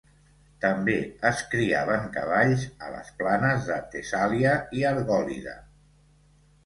També es criaven cavalls a les planes de Tessàlia i Argòlida.